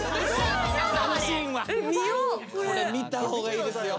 これ見た方がいいですよ。